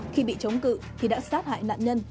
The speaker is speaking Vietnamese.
khi bị chống cự thì đã sát hại nạn nhân